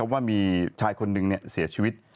ว่ามีชายคนหนึ่งเสียชีวิต